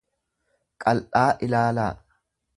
qal'aa ilaalaa.